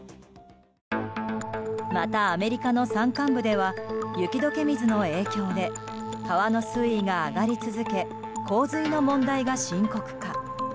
またアメリカの山間部では雪解け水の影響で川の水位が上がり続け洪水の問題が深刻化。